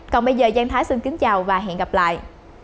còn bây giờ giang thái xin kính chào và hẹn gặp lại